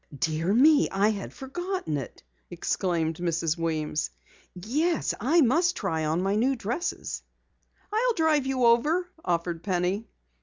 "Dear me, I had forgotten it!" exclaimed Mrs. Weems. "Yes, I must try on my new dresses!" "I'll drive you over," offered Penny.